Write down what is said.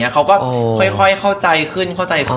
เค้าก็ค่อยเข้าใจขึ้น